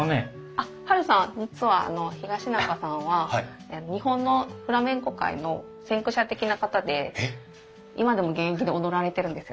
あっハルさん実は東仲さんは日本のフラメンコ界の先駆者的な方で今でも現役で踊られてるんですよ。